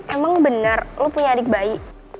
emang bener lu punya adik bayi